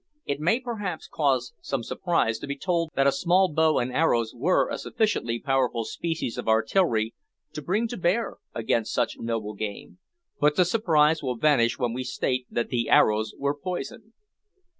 It may perhaps cause some surprise to be told that a small bow and arrows were a sufficiently powerful species of artillery to bring to bear against such noble game, but the surprise will vanish when we state that the arrows were poisoned.